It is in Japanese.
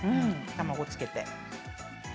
卵をつけて。